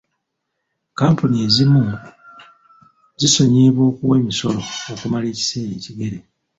Kkampuni ezimu zisonyiyibwa okuwa emisolo okumala ekiseera ekigere.